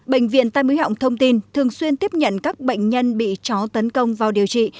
bệnh viện tây mũi họng thông tin thường xuyên tiếp nhận các bệnh nhân bị chó tấn công vào điều trị